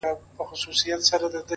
بهرني ځواکونه راپورونه جوړوي ډېر ژر,